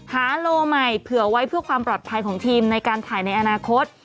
โลใหม่เผื่อไว้เพื่อความปลอดภัยของทีมในการถ่ายในอนาคต